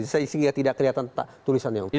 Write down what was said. sehingga tidak kelihatan tulisan yang